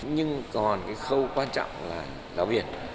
nhưng còn cái khâu quan trọng là giáo viên